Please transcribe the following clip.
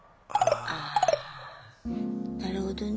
なるほどね。